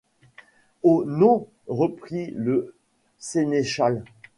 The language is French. Oh ! non, reprit le senneschal.